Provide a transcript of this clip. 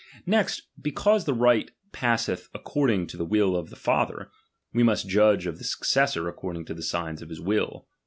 Nest, because the right passeth according to the will of the father, we must judge of the successor according to the signs of his will.